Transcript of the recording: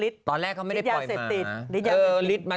ตอนแรกเขาไม่ได้ปล่อยหมา